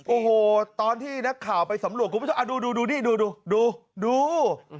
โอ้โฮตอนที่นักข่าวไปสำรวจกลุ่มวิทยาลัยดูนี่ดู